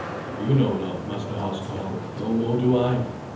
"If you know not, master housecarl, no more do I.